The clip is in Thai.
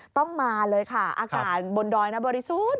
ต้องมาเลยค่ะอากาศบนดอยนะบริสุทธิ์